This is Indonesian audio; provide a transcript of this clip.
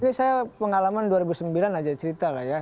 ini saya pengalaman dua ribu sembilan saja cerita ya